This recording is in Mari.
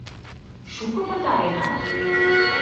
— Шуко пытаренат?